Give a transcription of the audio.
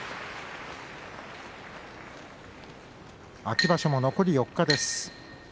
秋場所も残り４日です。